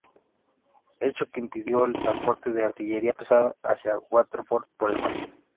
Hecho que impidió el transporte de artillería pesada hacia Waterford por el mar.